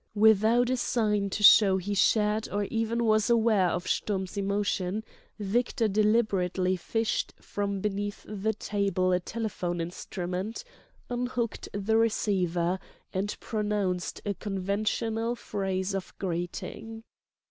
Without a sign to show he shared or even was aware of Sturm's emotion, Victor deliberately fished from beneath the table a telephone instrument, unhooked the receiver, and pronounced a conventional phrase of greeting.